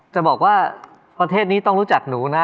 จะบอกว่าประเทศนี้ต้องรู้จักหนูนะ